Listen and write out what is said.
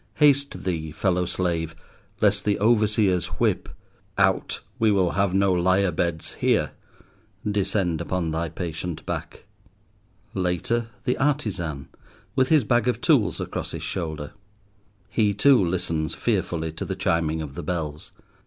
Haste thee, fellow slave, lest the overseer's whip, "Out, we will have no lie a beds here," descend upon thy patient back. Later, the artisan, with his bag of tools across his shoulder. He, too, listens fearfully to the chiming of the bells.